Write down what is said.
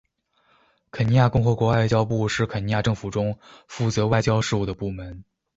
肯尼亚共和国外交部是肯尼亚政府中负责外交事务的部门。